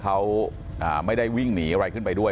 เขาไม่ได้วิ่งหนีอะไรขึ้นไปด้วย